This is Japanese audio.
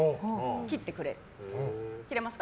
切ってくれ切れますか？